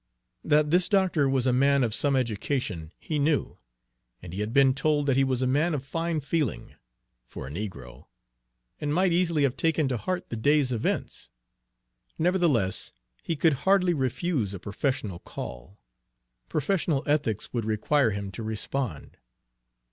That this doctor was a man of some education he knew; and he had been told that he was a man of fine feeling, for a negro, and might easily have taken to heart the day's events. Nevertheless, he could hardly refuse a professional call, professional ethics would require him to respond.